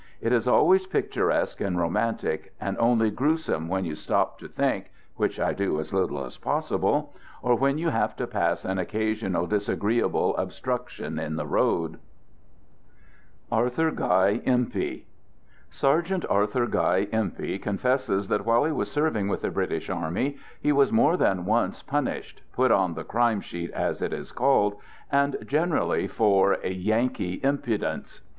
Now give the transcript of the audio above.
It is always picturesque and romantic, and only grue (Letter of Robert Reaser) "THE GOOD SOLDIER" 167 some when you stop to think (which I do as little as possible), or when you have to pass an occasional disagreeable obstruction in the road. Communicated. Digitized by ARTHUR GUY EMPEY Sergeant Arthur Guy Empey confesses that while he was serving with the British army he was more than once punished, put on the Crime Sheet as it is called, and generally for "Yankee impu dence."